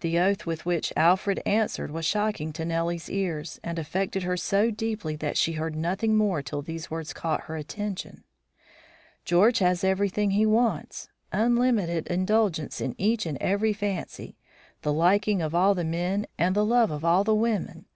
The oath with which Alfred answered was shocking to Nellie's ears, and affected her so deeply that she heard nothing more till these words caught her attention: "George has everything he wants; unlimited indulgence in each and every fancy, the liking of all the men, and the love of all the women.